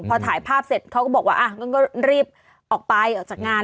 พอถ่ายภาพเสร็จเขาก็บอกว่าอ่ะงั้นก็รีบออกไปออกจากงาน